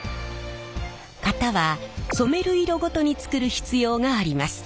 型は染める色ごとに作る必要があります。